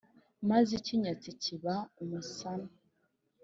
maze ikinyatsi kiba umusana.